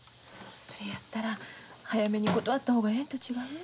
それやったら早めに断った方がええんと違う？